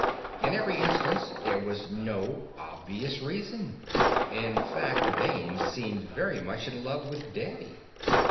In every instance, there was no obvious reason; in fact, the dames seemed very much in love with daddy."